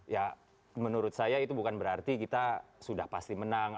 ya menurut saya itu bukan berarti kita sudah pasti menang